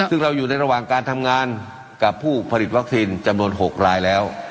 ซึ่งเราอยู่ในระหว่างการทำงานกับผู้ผลิตวัคซีนจำนวน๖รายแล้ว